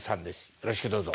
よろしくどうぞ。